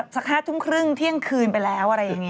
สัก๕ทุ่มครึ่งเที่ยงคืนไปแล้วอะไรอย่างนี้